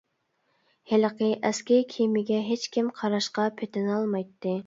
ھېلىقى ئەسكى كىمىگە ھېچكىم قاراشقا پېتىنالمايتتى.